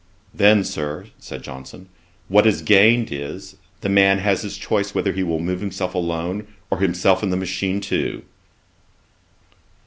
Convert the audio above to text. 'Then, Sir, (said Johnson,) what is gained is, the man has his choice whether he will move himself alone, or himself and the machine too.'